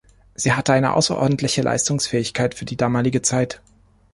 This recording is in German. Sie hatte eine außerordentliche Leistungsfähigkeit für die damalige Zeit.